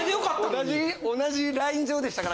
同じ同じライン上でしたから。